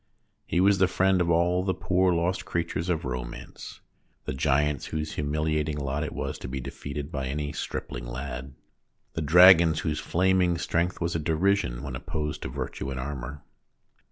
He was the friend of all the poor, lost creatures of romance the giants whose humiliating lot it was to be defeated by any stripling lad, THE STORY TELLER 29 the dragons whose flaming strength was a derision when opposed to virtue in armour.